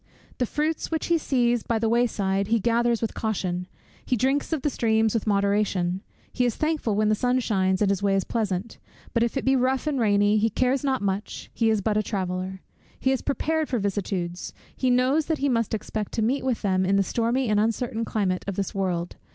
The fruits which he sees by the way side he gathers with caution; he drinks of the streams with moderation; he is thankful when the sun shines, and his way is pleasant; but if it be rough and rainy, he cares not much, he is but a traveller. He is prepared for vicissitudes; he knows that he must expect to meet with them in the stormy and uncertain climate of this world.